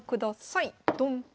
ドン。